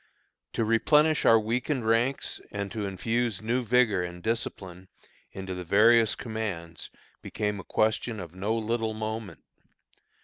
To replenish our weakened ranks and to infuse new vigor and discipline into the various commands, became a question of no little moment.